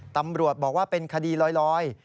ตำรวจบอกว่าเป็นคดีลอย